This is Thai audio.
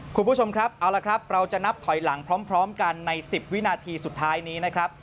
คุณผู้ชมครับเอาละครับเราจะนับถอยหลังพร้อมกันใน๑๐วินาทีสุดท้ายนี้นะครับ